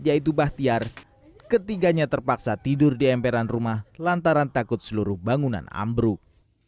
yaitu bahtiar ketiganya terpaksa tidur di emperan rumah lantaran takut seluruh bangunan ambruk